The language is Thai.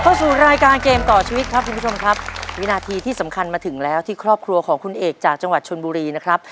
เข้าสู่รายการเกมต่อชีวิตครับคุณผู้ชมครับวินาทีที่สำคัญมาถึงแล้วที่ครอบครัวของคุณเอกจากจังหวัดชนบุรีนะครับ